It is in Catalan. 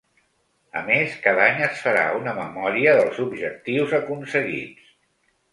A més, cada any es farà una memòria dels objectius aconseguits.